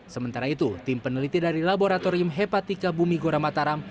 sementara itu tim peneliti dari laboratorium hepatika bumi goramataram